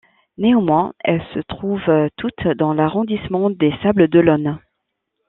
Néanmoins, elles se trouvent toutes dans l’arrondissement des Sables-d’Olonne.